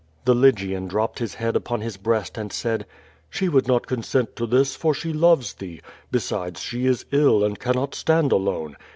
^^. The Lygian dropped his head upon his breast and said: "She would not consent to this, for she loves thee; besides she is ill and cannot stand alone.